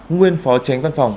nguyên phó tránh văn phòng